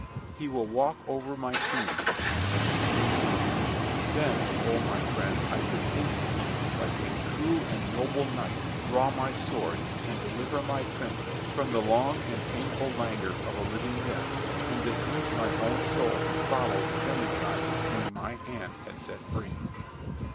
He will walk over my tomb, and will seek me in vain!" Then, O my friend, I could instantly, like a true and noble knight, draw my sword, and deliver my prince from the long and painful languor of a living death, and dismiss my own soul to follow the demigod whom my hand had set free!